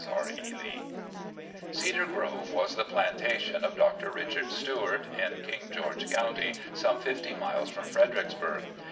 356 RECOLLECTIONS OF GENERAL LEE "Cedar Grove" was the plantation of Dr. Richard Stuart, in King George County, some fifty miles from Fredericksburg.